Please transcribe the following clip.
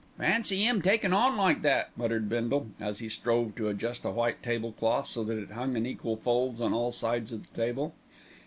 "Fancy 'im takin' on like that," muttered Bindle, as he strove to adjust a white tablecloth so that it hung in equal folds on all sides of the table.